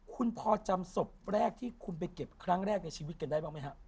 คุณพอจำศพแรกที่คุณไปเก็บครั้งแรกในชีวิตกันได้บ้างไหมฮะ